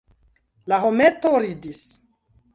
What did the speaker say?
La hometo ridis!